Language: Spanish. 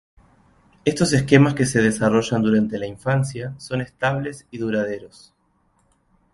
Estos esquemas, que se desarrollan durante la infancia, son estables y duraderos.